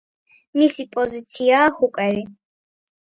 მისი პოზიციაა ჰუკერი.